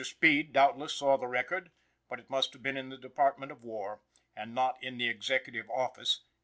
Speed, doubtless, saw the record, but it must have been in the Department of War, and not in the Executive office."